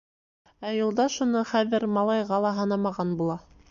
Ә Юлдаш уны хәҙер малайға ла һанамаған була.